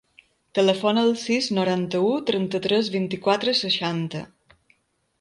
Telefona al sis, noranta-u, trenta-tres, vint-i-quatre, seixanta.